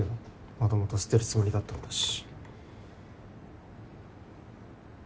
もともと捨てるつもりだったんだし。